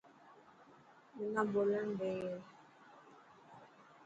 منا ٻولڻ ڏي.